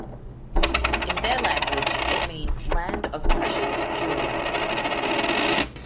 In their language it means "land of precious jewels".